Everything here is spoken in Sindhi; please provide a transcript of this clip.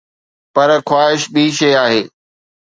پر خواهش ٻي شيءِ آهي.